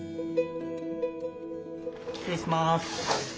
失礼します。